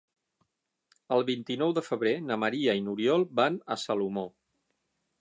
El vint-i-nou de febrer na Maria i n'Oriol van a Salomó.